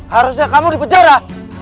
harusnya kamu di penjara